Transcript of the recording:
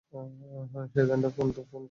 শয়তানটা ফোন করেছে।